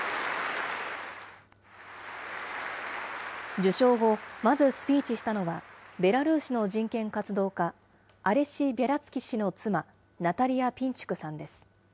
受賞後、まずスピーチしたのは、ベラルーシの人権活動家、アレシ・ビャリャツキ氏の妻、ナタリヤ・ピンチュクさんです。